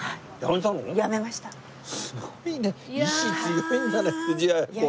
すごいね。